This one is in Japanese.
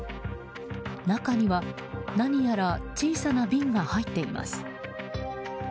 中には何やら小さな瓶が入っています。